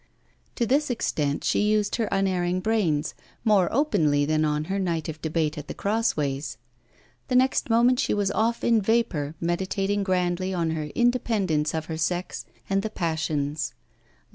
To this extent she used her unerring brains, more openly than on her night of debate at The Crossways. The next moment she was off in vapour, meditating grandly on her independence of her sex and the passions.